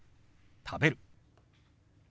「食べる」。